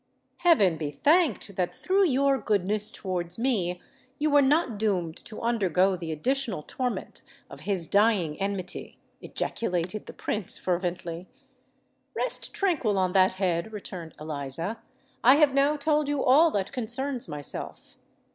"Heaven be thanked that, through your goodness towards me, you were not doomed to undergo the additional torment of his dying enmity!" ejaculated the Prince, fervently. "Rest tranquil on that head," returned Eliza. "I have now told you all that concerns myself.